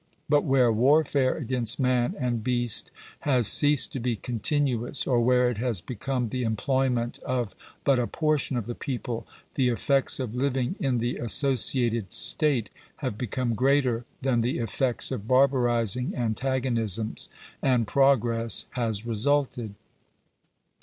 But where warfare against man and beast has ceased to be continuous, or where it has become the employment of but a portion of the people, the effects of living in the associated state have become greater than the effeots of barbarizing an tagonisms, and progress has resulted.